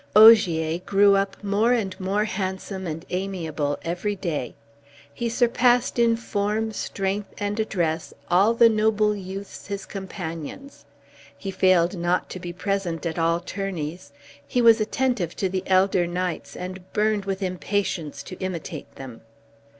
Ogier grew up more and more handsome and amiable every day. He surpassed in form, strength, and address all the noble youths his companions; he failed not to be present at all tourneys; he was attentive to the elder knights, and burned with impatience to imitate them.